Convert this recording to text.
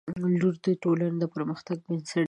• لور د ټولنې د پرمختګ بنسټ دی.